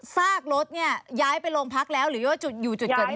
ซากรถเนี่ยย้ายไปโรงพักแล้วหรือว่าอยู่จุดเกิดเหตุ